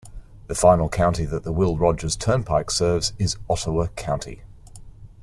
The final county that the Will Rogers Turnpike serves is Ottawa County.